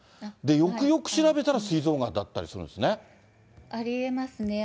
よくよく調べたらすい臓がんだっありえますね。